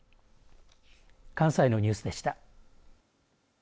関西のニュースでした。